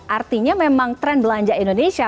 artinya memang tren belanja indonesia